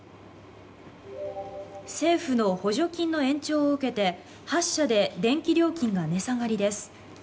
政府の補助金の延長を受けて８社で電気料金が値下がりです。